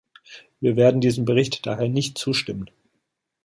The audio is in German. Wir werden diesem Bericht daher nicht zustimmen.